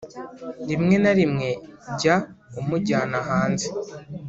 rimwe na rimwe jya umujyana hanze